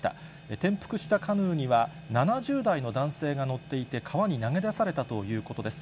転覆したカヌーには、７０代の男性が乗っていて、川に投げ出されたということです。